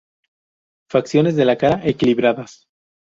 Facciones de la cara equilibradas.